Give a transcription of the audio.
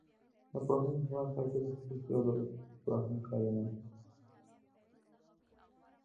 د پوهنې په برخه کي د خصوصي او دولتي سکتور همکاري نه وه.